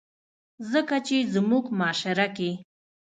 ځکه چې زمونږ معاشره کښې